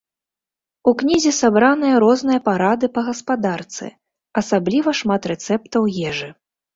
У кнізе сабраныя розныя парады па гаспадарцы, асабліва шмат рэцэптаў ежы.